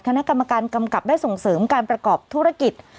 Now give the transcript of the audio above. คณะกรรมการกำกับได้ส่งเสริมการประกอบธุรกิจ